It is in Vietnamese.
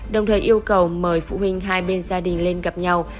đồng thời yêu cầu mời phụ huynh hai bên gia đình lên gặp nhau